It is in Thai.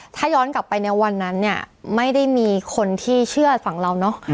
ถ้าย้อนกลับไปในวันนั้นเนี่ยไม่ได้มีคนที่เชื่อฝั่งเราเนอะ